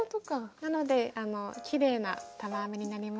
なのできれいな玉編みになります。